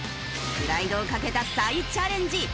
プライドを懸けた再チャレンジ